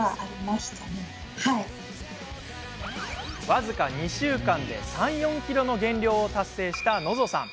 僅か２週間で３４ｋｇの減量を達成した、のぞさん。